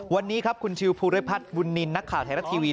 วันนี้ครับคุณชิวภูริพัฒน์บุญนินทร์นักข่าวไทยรัฐทีวี